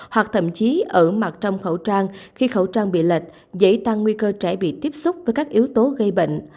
hoặc thậm chí ở mặt trong khẩu trang khi khẩu trang bị lệch dễ tăng nguy cơ trẻ bị tiếp xúc với các yếu tố gây bệnh